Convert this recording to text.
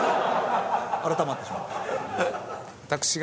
改まってしまって。